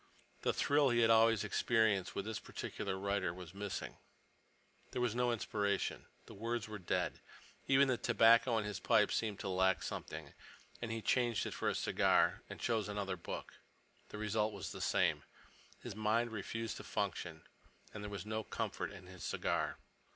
The thrill he had always experienced with this particular writer was missing. There was no inspiration. The words were dead. Even the tobacco in his pipe seemed to lack something, and he changed it for a cigar—and chose another book. The result was the same. His mind refused to function, and there was no comfort in his cigar.